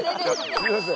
すみません。